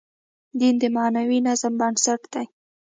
دین د معنوي نظم بنسټ دی.